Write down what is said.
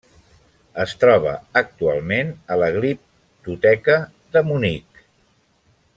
Es troba actualment a la Gliptoteca de Munic.